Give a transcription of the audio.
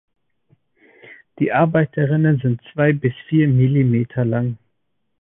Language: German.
Die Arbeiterinnen sind zwei bis vier Millimeter lang.